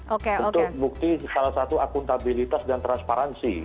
untuk bukti salah satu akuntabilitas dan transparansi